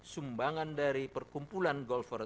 sumbangan dari perkumpulan golfer